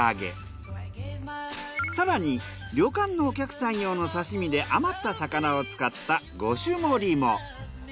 更に旅館のお客さん用の刺身で余った魚を使った５種盛りも。